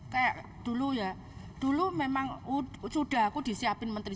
kayak dulu ya dulu memang sudah aku disiapin menteri